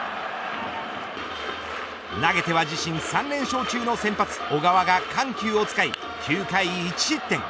投げては自身３連勝中の先発、小川が緩急を使い９回１失点。